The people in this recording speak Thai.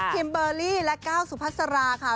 คิมเบอร์ลี่และก้าวสุภาษาราค่ะ